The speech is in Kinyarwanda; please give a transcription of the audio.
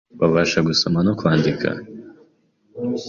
babasha gusoma no kwandika,